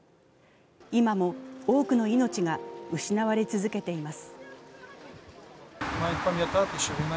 今も多くの命が失われ続けています。